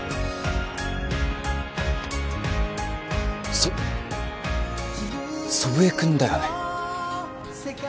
そ祖父江君だよね？